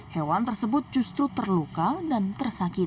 hewan tersebut justru terluka dan tersakiti